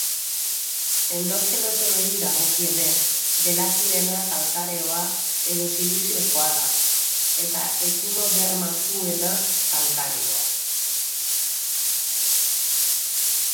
Endoskeletoei dagokienez, belakiena kalkareoa edo siliziozkoa da, eta ekinodermatuena kalkareoa.